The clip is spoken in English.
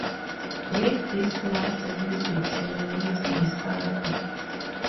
With this last visit terminates my saga.